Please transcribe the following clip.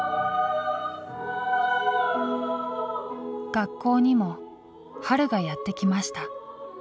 学校にも春がやって来ました。